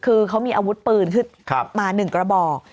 คือเขามีอาวุธปืนขึ้นมา๑กระบอก